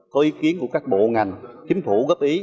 có ý kiến của các bộ ngành chính phủ góp ý